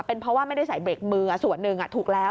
เป็นเพราะว่าไม่ได้ใส่เบรกมือส่วนหนึ่งถูกแล้ว